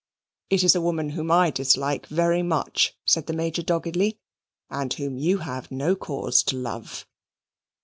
"It is a woman whom I dislike very much," said the Major, doggedly, "and whom you have no cause to love."